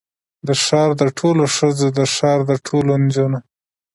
د ښار د ټولو ښځو، د ښار د ټولو نجونو